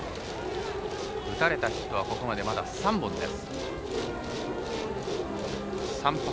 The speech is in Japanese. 打たれたヒットはここまで、まだ３本です。